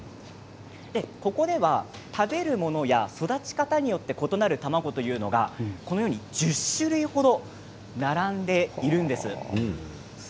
ここでは食べるものや育ち方によって異なるたまごというのがこのように１０種類程並んでいるんです。